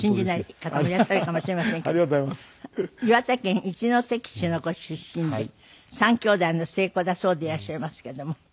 岩手県一関市のご出身で３兄弟の末っ子だそうでいらっしゃいますけども。